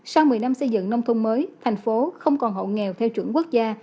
sau một mươi năm xây dựng nông thôn mới thành phố không còn hộ nghèo theo chuẩn quốc gia